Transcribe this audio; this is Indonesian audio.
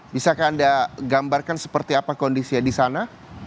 bisakah anda gambarkan seperti apa kondisinya di sana